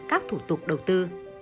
các thủ tục đầu tư